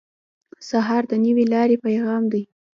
سهار د نوې لارې پیغام دی.